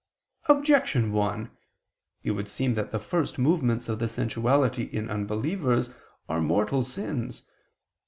Objection 1: It would seem that the first movements of the sensuality in unbelievers are mortal sins.